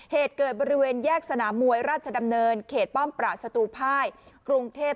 เหตุเกิดบริเวณแยกสนามมวยราชดำเนินเขตป้อมประสตูภายกรุงเทพ